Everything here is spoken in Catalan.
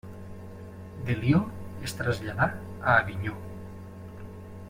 De Lió es traslladà a Avinyó.